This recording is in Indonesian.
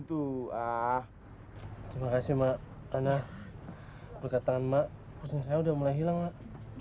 terima kasih mak karena berkat tangan mak pusing saya udah mulai hilang mak